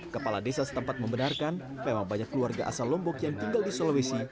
kepala desa setempat membenarkan memang banyak keluarga asal lombok yang tinggal di sulawesi